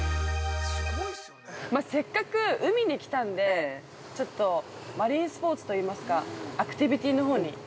◆せっかく海に来たので、マリンスポーツといいますか、アクティビティのほうに。